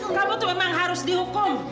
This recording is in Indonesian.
kamu tuh memang harus dihukum